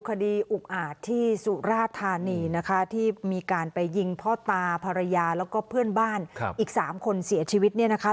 อุกอาจที่สุราธานีนะคะที่มีการไปยิงพ่อตาภรรยาแล้วก็เพื่อนบ้านอีก๓คนเสียชีวิตเนี่ยนะคะ